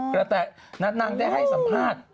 แต่นางได้ให้สัมภาษณ์